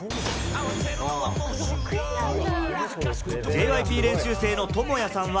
ＪＹＰ練習生のトモヤさんは